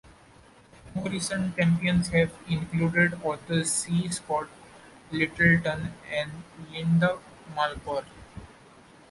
More recent champions have included authors C. Scott Littleton and Linda Malcor.